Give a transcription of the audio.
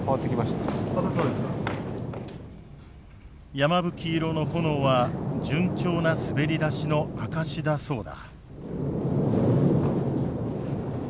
山吹色の炎は順調な滑り出しの証しだそうだ。